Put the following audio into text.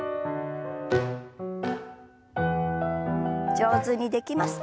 上手にできますか？